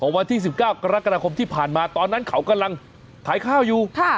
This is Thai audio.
วันที่๑๙กรกฎาคมที่ผ่านมาตอนนั้นเขากำลังขายข้าวอยู่